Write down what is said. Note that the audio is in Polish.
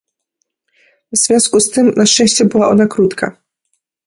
W związku z tym na szczęście była ona krótka